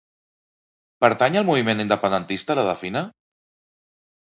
Pertany al moviment independentista la Defina?